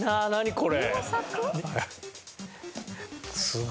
これ。